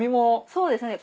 そうですね。